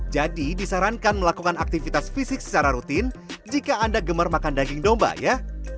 jadi disarankan melakukan aktivitas fisik secara rutin jika anda gemar makan daging domba ya